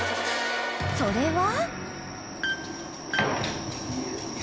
［それは］